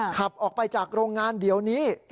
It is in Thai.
ขับออกไปจากโรงงานเดี๋ยวนี้